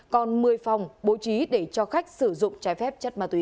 còn một mươi phòng bố trí để cho khách sử dụng trái phép